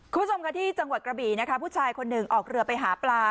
คุณผู้ชมค่ะที่จังหวัดกระบี่นะคะผู้ชายคนหนึ่งออกเรือไปหาปลา